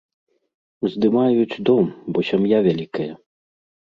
Здымаюць дом, бо сям'я вялікая.